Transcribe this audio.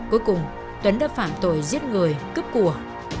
cuối cùng tuấn đã phạm tội giết người cướp của